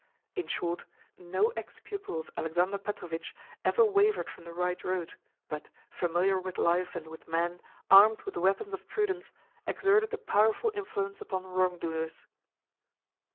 In short, no ex pupil of Alexander Petrovitch ever wavered from the right road, but, familiar with life and with men, armed with the weapons of prudence, exerted a powerful influence upon wrongdoers.